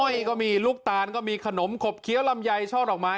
ก็มีลูกตาลก็มีขนมขบเคี้ยวลำไยช่อดอกไม้